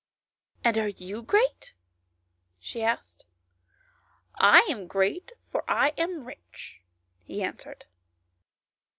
" And are you great ?" she asked. " I am great, for I am rich," he answered.